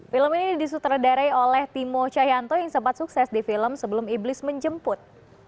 film ini disutradarai oleh timo cahyanto yang sempat sukses di film sebelum iblis menjemput